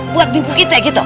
buat bibuk itu ya gitu